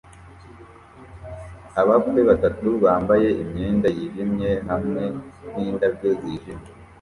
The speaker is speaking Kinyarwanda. Abakwe batatu bambaye imyenda yijimye hamwe n'indabyo zijimye